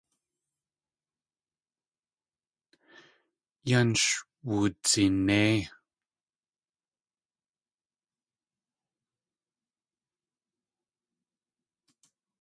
Yan sh wudzinéi.